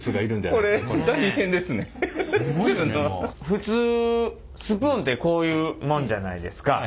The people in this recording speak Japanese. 普通スプーンってこういうもんじゃないですか。